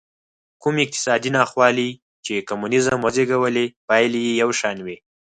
کومې اقتصادي ناخوالې چې کمونېزم وزېږولې پایلې یې یو شان وې.